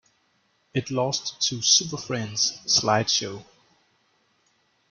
It lost to Superfriendz' "Slide Show".